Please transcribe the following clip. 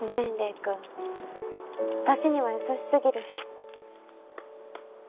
私には優しすぎる。